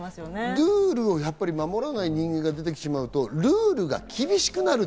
ルールを守らない人間が出てきてしまうとルールが厳しくなる。